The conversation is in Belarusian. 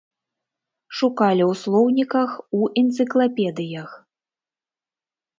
Шукалі ў слоўніках, у энцыклапедыях.